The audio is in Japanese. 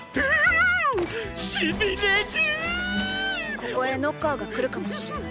ここへノッカーが来るかもしれない。